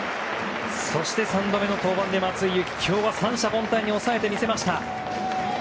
そして、３度目の登板で松井裕樹今日は三者凡退に抑えてみせました！